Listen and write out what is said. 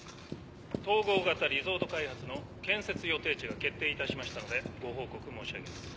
統合型リゾート開発の建設予定地が決定いたしましたのでご報告申し上げます。